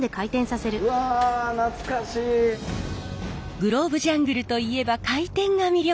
グローブジャングルといえば回転が魅力。